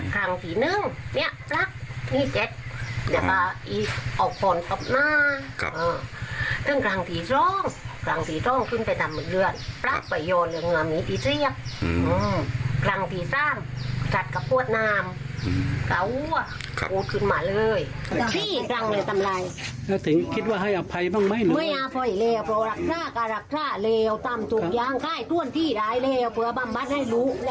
ขราะรักขราะเลวตำถูกยางแก้ต้วนที่ร้ายเลวเผื่อบำมัดให้รู้และเป็นผลดี